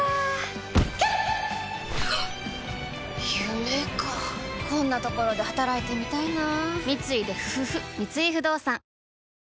夢かこんなところで働いてみたいな三井不動産